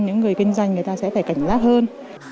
những người kinh doanh người ta sẽ phải cảnh giác hơn